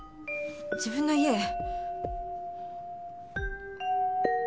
自分の家へ。